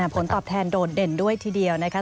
ผลตอบแทนโดดเด่นด้วยทีเดียวนะคะ